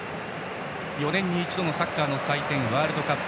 ４年に一度のサッカーの祭典ワールドカップ。